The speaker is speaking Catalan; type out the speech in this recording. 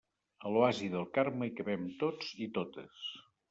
A l'Oasi del Carme hi cabem tots i totes.